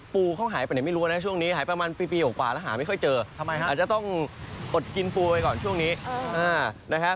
ปูเขาหายไปไหนไม่รู้นะช่วงนี้หายประมาณปีกว่าแล้วหาไม่ค่อยเจออาจจะต้องอดกินปูไปก่อนช่วงนี้นะครับ